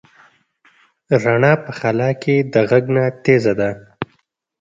رڼا په خلا کې د غږ نه تېزه ده.